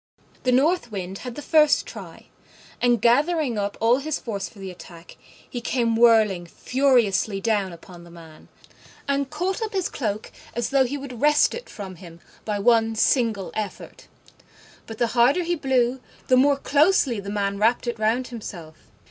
The North Wind had the first try; and, gathering up all his force for the attack, he came whirling furiously down upon the man, and caught up his cloak as though he would wrest it from him by one single effort: but the harder he blew, the more closely the man wrapped it round himself.